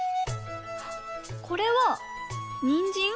これはにんじん？